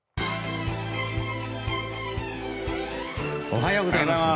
おはようございます。